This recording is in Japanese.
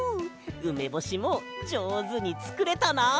ウメボシもじょうずにつくれたな！